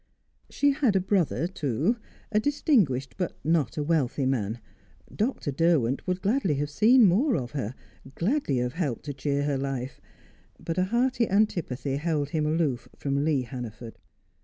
She had a brother, too; a distinguished, but not a wealthy man. Dr. Derwent would gladly have seen more of her, gladly have helped to cheer her life, but a hearty antipathy held him aloof from Lee Hannaford.